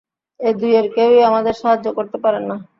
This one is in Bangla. এ দুয়ের কেউই আমাদের সাহায্য করতে পারেন না।